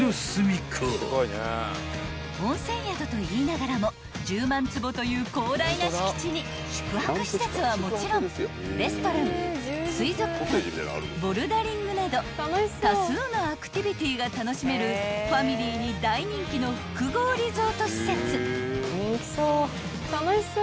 ［温泉宿といいながらも１０万坪という広大な敷地に宿泊施設はもちろんレストラン水族館ボルダリングなど多数のアクティビティーが楽しめるファミリーに大人気の複合リゾート施設］